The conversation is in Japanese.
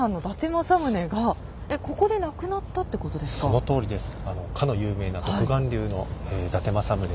そのとおりです。